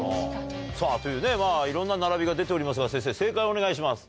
さぁといういろんな並びが出ておりますが先生正解をお願いします。